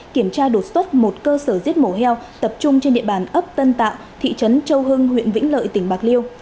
kiểm tra đột xuất một cơ sở giết mổ heo tập trung trên địa bàn ấp tân tạo thị trấn châu hưng huyện vĩnh lợi tỉnh bạc liêu